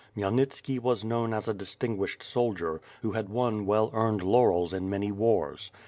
Khmyelnitski was known as a distinguished soldier, who had won well earned laurels in many wars.